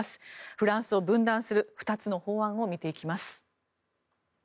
フランスを分断する２つの法案を見ていきます。